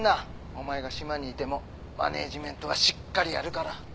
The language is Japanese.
お前が島にいてもマネジメントはしっかりやるから。